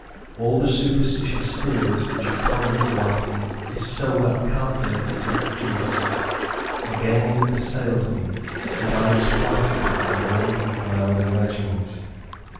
All the superstitious fears, which a convent life is so well calculated to produce, again assailed me, and I was frightened at my own wild imaginings.